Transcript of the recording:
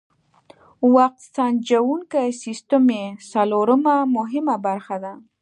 وخت سنجوونکی سیسټم یې څلورمه مهمه برخه ده.